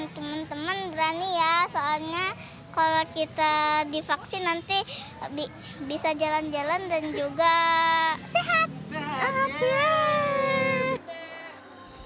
teman teman berani ya soalnya kalau kita divaksin nanti bisa jalan jalan dan juga sehat